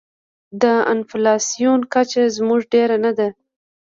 د انفلاسیون کچه زموږ ډېره نه ده.